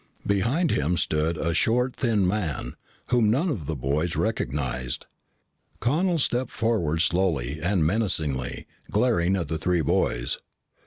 Behind him stood a short, thin man, whom none of the boys recognized. Connel stepped forward slowly and menacingly, glaring at the three boys.